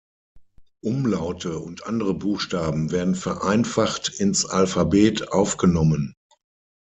Umlaute und andere Buchstaben werden vereinfacht ins Alphabet aufgenommen.